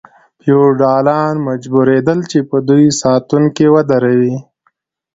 فیوډالان مجبوریدل چې په دوی ساتونکي ودروي.